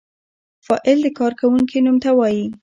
فاعل د کار کوونکی نوم ته وايي.